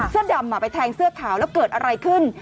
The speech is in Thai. เสื้อดำไปแทงเสื้อขาวแล้วเกิดอะไรขึ้น